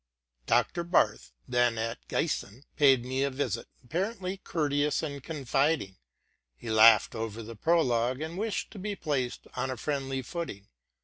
Dr. Bahrdt, then at Giessen, paid me a visit, apparently courteous and confiding: he joked about the prologue, and wished to be placed on a friendly footing.